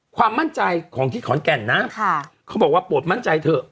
ความมั่นใจของที่ขอนแก่นนะเขาบอกว่าโปรดมั่นใจเถอะ